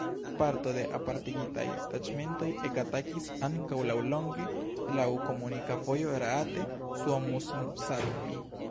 Parto de apartigitaj taĉmentoj ekatakis ankaŭ laŭlonge laŭ komunika vojo Raate–Suomussalmi.